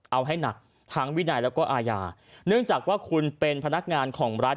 เอาให้หนักทั้งวินัยแล้วก็อาญาเนื่องจากว่าคุณเป็นพนักงานของรัฐ